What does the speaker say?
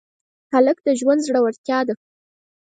هلک د ژوند زړورتیا ده.